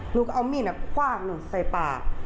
หนูก็เอามีดคว่างหนูใส่ปาก